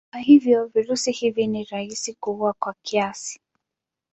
Kwa hivyo virusi hivi ni rahisi kuua kwa kiasi.